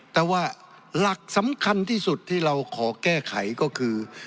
แต่ว่าหลักสำคัญที่สุดที่เราขอแก้ไขก็คือ